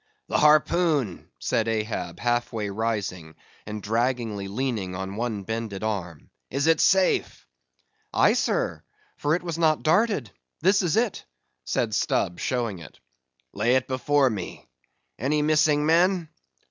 "The harpoon," said Ahab, half way rising, and draggingly leaning on one bended arm—"is it safe?" "Aye, sir, for it was not darted; this is it," said Stubb, showing it. "Lay it before me;—any missing men?"